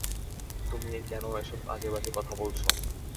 তুমি কেনো এসব আজে-বাজে কথা বলছো?